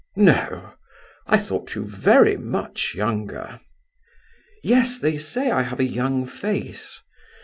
"No? I thought you very much younger." "Yes, they say I have a 'young' face.